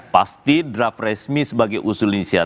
pasti draft resmi sebagai usul inisiatif